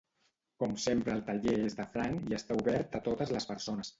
Com sempre el taller és de franc i està obert a totes les persones.